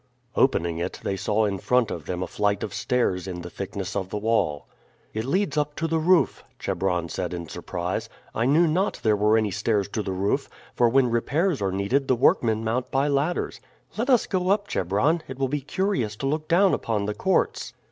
Opening it they saw in front of them a flight of stairs in the thickness of the wall. "It leads up to the roof," Chebron said in surprise. "I knew not there were any stairs to the roof, for when repairs are needed the workmen mount by ladders." "Let us go up, Chebron; it will be curious to look down upon the courts."